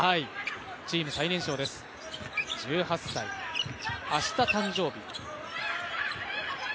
チーム最年少です、１８歳、明日誕生日。